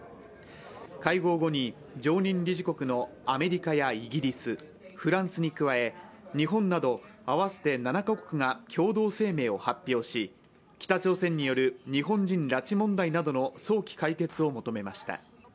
会合後に、常任理事国のアメリカやイギリス、フランスに加え、日本などの合わせて７カ国が共同声明を発表し北朝鮮による日本人拉致問題などの早期解決を求めました。